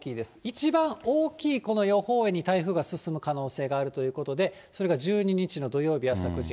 一番大きいこの予報円に台風が進む可能性があるということで、それが１２日の土曜日朝９時。